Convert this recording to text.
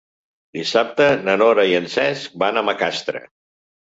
Dissabte na Nora i en Cesc van a Macastre.